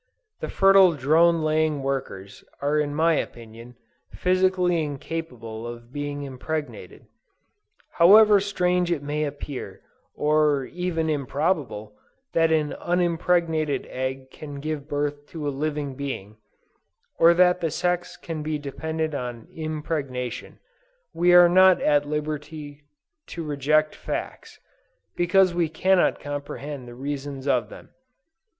The fertile drone laying workers, are in my opinion, physically incapable of being impregnated. However strange it may appear, or even improbable, that an unimpregnated egg can give birth to a living being, or that the sex can be dependent on impregnation, we are not at liberty to reject facts, because we cannot comprehend the reasons of them.